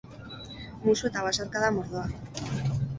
Musu eta besarkada mordoa!